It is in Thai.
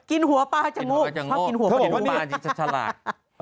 กินหัวปลาจังโลก